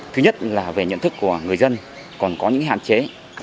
thứ nhất là về nhận thức của người dân còn có những hạn chế